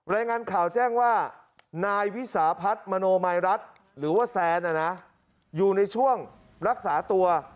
รายงานข่าวแจ้งว่านายวิสาพัฒน์มโนมายรัฐหรือว่าแซนอยู่ในช่วงรักษาตัว